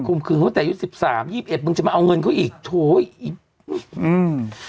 คุมคืนเขาแต่ยุดสิบสามยี่สิบเอ็ดมึงจะมาเอาเงินเขาอีกโถยอืม